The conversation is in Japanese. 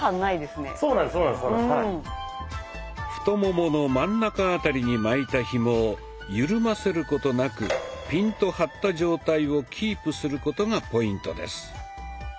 太ももの真ん中辺りに巻いたひもをゆるませることなくピンと張った状態をキープすることがポイントです。